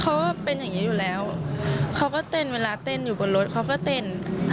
ก็เป็นอย่างนี้อยู่แล้วเขาก็เต้นเวลาเต้นอยู่บนรถเขาก็เต้น